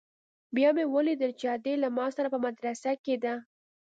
بيا مې وليدل چې ادې له ما سره په مدرسه کښې ده.